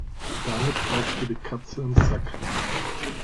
Damit kaufst du die Katze im Sack.